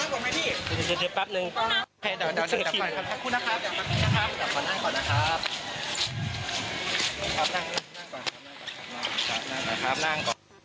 พี่ขอไปร้องข้างในก่อน